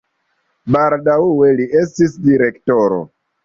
Baldaŭe li estis direktoro.